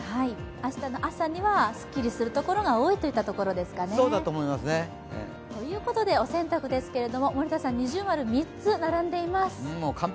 明日の朝には、すっきりするところが多いといったところですかね。ということで、お洗濯ですけども、森田さん、◎、３つ並んでいます。